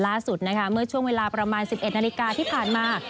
ล่าสุดนะคะเมื่อช่วงเวลาประมาณ๑๑นาฬิกาที่ผ่านมา